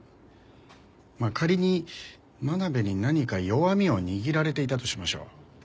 まあ仮に真鍋に何か弱みを握られていたとしましょう。